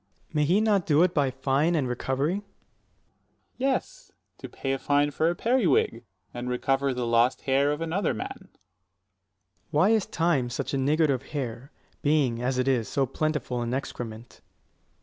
Ant. S. May he not do it by fine and recovery? Dro. S. Yes, to pay a fine for a periwig, and recover the lost hair of another man. 75 Ant. S. Why is Time such a niggard of hair, being, as it is, so plentiful an excrement?